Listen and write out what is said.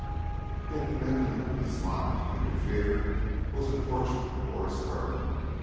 Yet the making up of his mind to interfere was a torture to Horace Byrd.